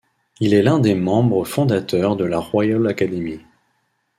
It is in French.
Il est l'un des membres fondateurs de la Royal Academy.